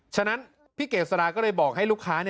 ฉะนั้นพี่เกษราก็เลยบอกให้ลูกค้า